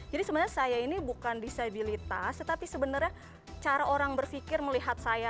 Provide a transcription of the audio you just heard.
jadi sebenarnya saya ini bukan disabilitas tapi sebenarnya cara orang berpikir melihat saya